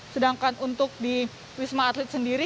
sedangkan untuk di wisma atlet sendiri